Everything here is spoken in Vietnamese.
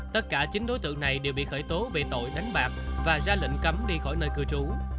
tất cả chín đối tượng này đều bị khởi tố về tội đánh bạc và ra lệnh cấm đi khỏi nơi cư trú